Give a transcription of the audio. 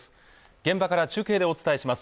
現場から中継でお伝えします